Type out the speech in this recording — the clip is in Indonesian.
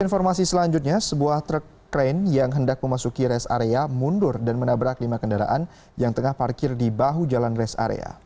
informasi selanjutnya sebuah truk krain yang hendak memasuki rest area mundur dan menabrak lima kendaraan yang tengah parkir di bahu jalan rest area